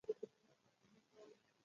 مجاهد د نړۍ پر لالچ سترګې پټې کړې وي.